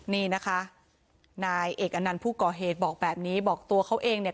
นี่นะคะนายเอกอนันต์ผู้ก่อเหตุบอกแบบนี้บอกตัวเขาเองเนี่ย